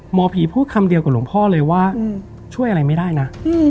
หมอผีพูดคำเดียวกับหลวงพ่อเลยว่าช่วยอะไรไม่ได้นะ